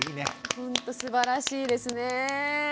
ほんとすばらしいですね。